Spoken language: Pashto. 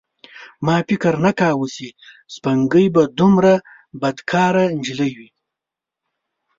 ما فکر نه کاوه چې سپوږمۍ به دومره بدکاره نجلۍ وي.